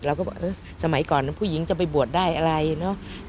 เราก็บอกเออสมัยก่อนผู้หญิงจะไปบวชได้อะไรเนอะ